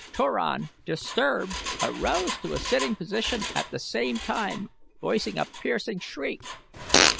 Turan, disturbed, arose to a sitting position at the same time voicing a piercing shriek.